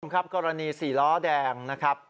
สวัสดีครับกรณีสี่ล้อแดงนะครับ